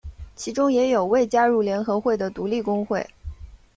其中也有未加入联合会的独立工会。